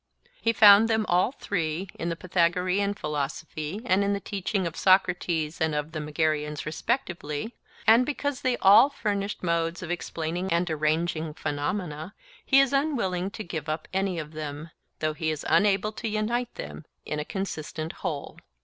He found them all three, in the Pythagorean philosophy and in the teaching of Socrates and of the Megarians respectively; and, because they all furnished modes of explaining and arranging phenomena, he is unwilling to give up any of them, though he is unable to unite them in a consistent whole.